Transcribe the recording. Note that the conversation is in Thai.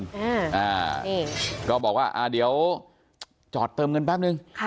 เราบอกว่าเดี๋ยวจอดเติมเงินแป๊บนึง